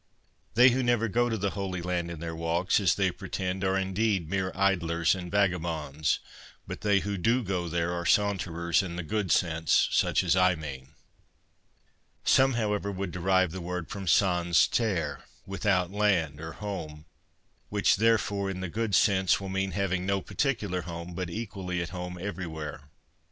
They who never go to the Holy Land in their walks, as they pretend, are indeed mere idlers and vagabonds ; but they who do go there are saunterers in the good sense, such as I mean. Some, however, would derive the word from sans terre, without land or a home, which, therefore, in the good sense, will mean having no particular home, but equally at home everywhere.